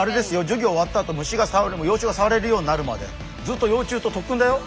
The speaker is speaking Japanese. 授業終わったあと虫が幼虫がさわれるようになるまでずっと幼虫と特訓だよ！